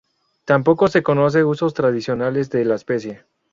Tampoco se conocen usos tradicionales de la especie.